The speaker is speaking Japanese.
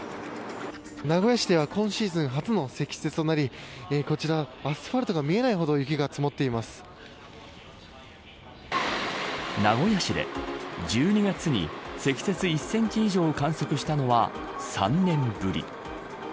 名古屋市では今シーズン初の積雪となりこちら、アスファルトが見えないほど名古屋市で１２月に積雪１センチ以上を観測したのは３年ぶり。